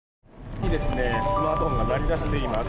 スマートフォンが鳴り出しています。